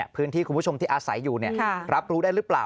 คุณผู้ชมที่อาศัยอยู่รับรู้ได้หรือเปล่า